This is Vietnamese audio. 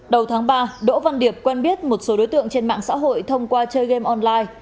đầu tháng ba đỗ văn điệp quen biết một số đối tượng trên mạng xã hội thông qua chơi game online